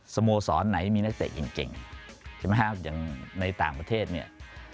สโมสรไหนมีนักเตะเก่งอย่างในต่างประเทศเนี่ย